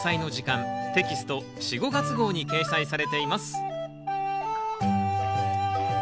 テキスト４・５月号に掲載されています